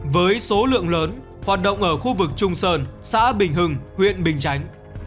với số lượng lớn hoạt động ở khu vực trung sơn xã bình hưng huyện bình chánh